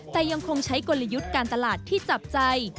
แต่ยังคงใช้กลยุทธ์การตลาดที่จับใจ